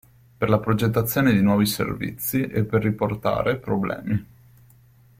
Per la progettazione di nuovi servizi, e per riportare problemi.